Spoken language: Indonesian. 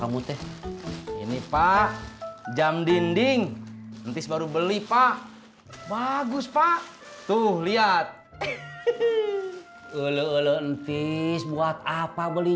kamu teh ini pak jam dinding entis baru beli pak bagus pak tuh lihat ulu entis buat apa beli